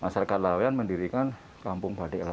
masyarakat laweyan mendirikan kampung batik laweyan